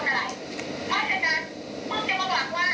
ที่ผมไม่ได้สงสัยให้ดีผมสงสัยให้ทั้งแปด